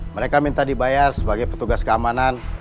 mereka minta dibayar sebagai petugas keamanan